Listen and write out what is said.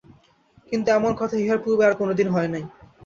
কিন্তু এমন কথা ইহার পূর্বে আর কোনোদিন হয় নাই।